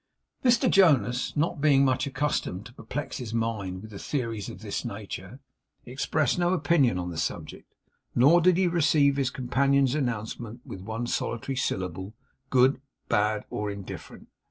Mr Jonas, not being much accustomed to perplex his mind with theories of this nature, expressed no opinion on the subject. Nor did he receive his companion's announcement with one solitary syllable, good, bad, or indifferent.